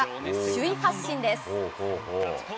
首位発進です。